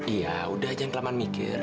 iya udah jangan kelamaan mikir